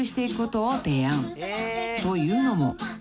［というのも］